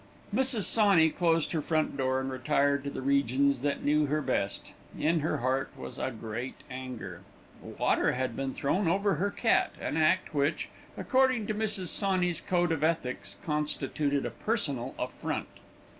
Mrs. Sawney closed her front door and retired to the regions that knew her best. In her heart was a great anger. Water had been thrown over her cat, an act which, according to Mrs. Sawney's code of ethics, constituted a personal affront.